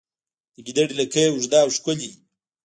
د ګیدړې لکۍ اوږده او ښکلې وي